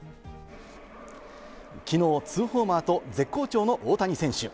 きのう２ホーマーと絶好調の大谷選手。